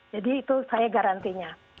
jadi itu saya garantinya